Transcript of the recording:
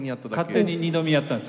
勝手に二度見やったんですよね。